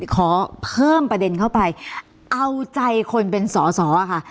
ขอเพิ่มประเด็นเข้าไปเอาใจคนเป็นสอสอค่ะ